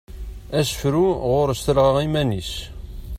Asefru ɣur-s talɣa iman-is.